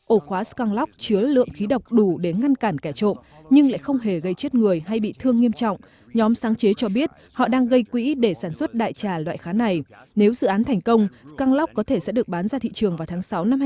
ổ khóa skunk lock chứa lượng khí độc đủ để ngăn cản kẻ trộm nhưng lại không hề gây chết người hay bị thương nghiêm trọng nhóm sáng chế cho biết họ đang gây quỹ để sản xuất đại trà loại khá này nếu dự án thành công skunk lock có thể sẽ được bán ra thị trường vào ngày mai